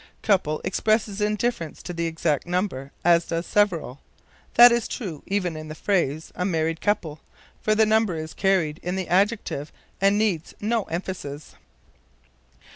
Couple expresses indifference to the exact number, as does several. That is true, even in the phrase, a married couple, for the number is carried in the adjective and needs no emphasis.